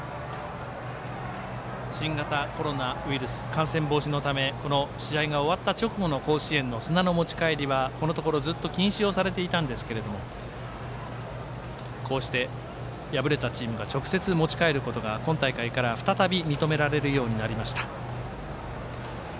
新型コロナウイルス感染防止のためこの試合が終わった直後の甲子園の砂の持ち帰りはこのところ、ずっと禁止されていたんですけどもこうして敗れたチームが直接持ち帰ることが今大会から再び認められることになりました。